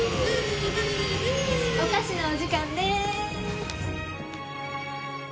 お菓子のお時間です。